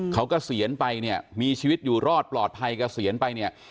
เขาเกษียณไปเนี่ยมีชีวิตอยู่รอดปลอดภัยเกษียณไปเนี่ย